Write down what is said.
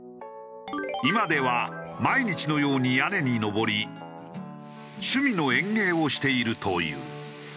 今では毎日のように屋根に登り趣味の園芸をしているという。